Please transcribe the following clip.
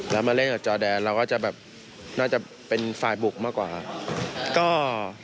แล้วมาเล่นกับจอแดนเราก็จะแบบน่าจะเป็นฝ่ายบุกมากกว่าครับ